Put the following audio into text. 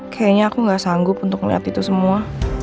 kayaknya aku gak sanggup untuk melihat itu semua